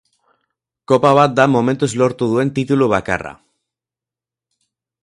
Kopa bat da momentuz lortu duen titulu bakarra.